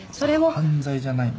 犯罪じゃないの？